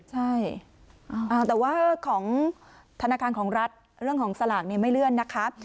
ใช่แต่ว่าของธนาคารของรัฐเรื่องของสลากไม่เลื่อนนะคะ